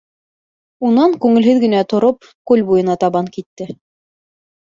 Унан, күңелһеҙ генә тороп, күл буйына табан китте.